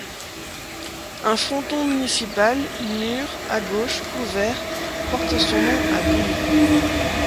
Un fronton municipal mur à gauche couvert porte son nom à Brive.